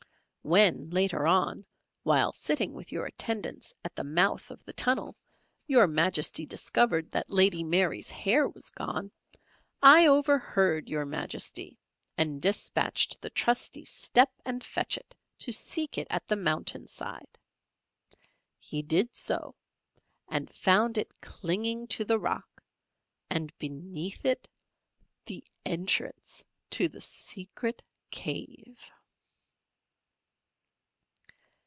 When, later on, while sitting with your attendants at the mouth of the tunnel, Your Majesty discovered that Lady Mary's hair was gone; I overheard Your Majesty, and despatched the trusty Step and Fetch It to seek it at the mountain side. He did so, and found it clinging to the rock, and beneath it the entrance to the Secret Cave!"